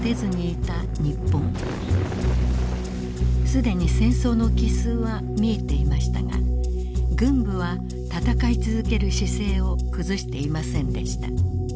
既に戦争の帰すうは見えていましたが軍部は戦い続ける姿勢を崩していませんでした。